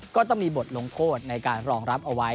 ก็ต้องมีบทลงโทษในการรองรับเอาไว้